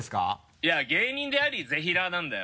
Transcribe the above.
いや芸人でありぜひらーなんだよ。